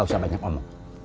gak usah banyak ngomong